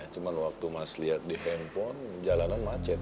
cuma waktu mas lihat di handphone jalanan macet